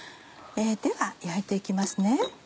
では焼いて行きますね。